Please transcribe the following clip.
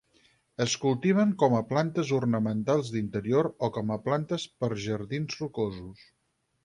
Es cultiven com a plantes ornamentals d'interior o com a plantes per jardins rocosos.